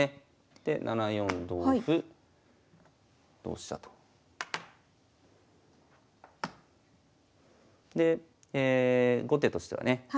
で７四同歩同飛車と。で後手としてはね